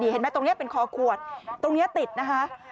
เห็นไหมตรงนี้เป็นคอขวดตรงนี้ติดนะคะ